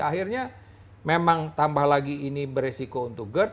akhirnya memang tambah lagi ini beresiko untuk gerd